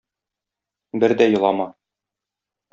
Бер дә елама.